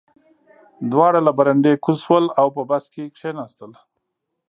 دواړه له برنډې کوز شول او په بس کې کېناستل